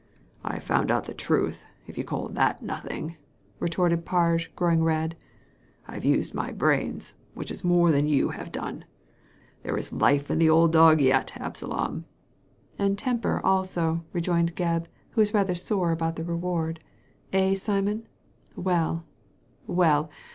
* I've found out the truth, if you call that nothing !*• retorted Parge, growing red. " I've used my brains, which is more than you have done. There is life in the old dog yet, Absalom I "*• And temper also," rejoined Gebb, who was rather sore about the reward " Eh, Simon ? Well ! well!